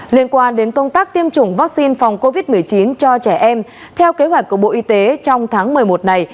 liên quan đến công tác tiêm chủng vaccine phòng covid một mươi chín cho trẻ em theo kế hoạch của bộ y tế trong tháng một mươi một này